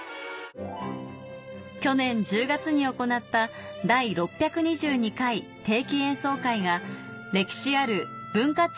去年１０月に行った第６２２回定期演奏会が歴史ある文化庁